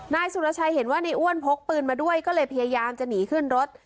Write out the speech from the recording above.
นายสุรชัยเห็นว่าในอ้วนพกปืนมาด้วยก็เลยพยายามจะหนีขึ้นรถ